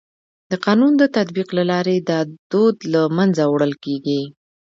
د قانون د تطبیق له لارې دا دود له منځه وړل کيږي.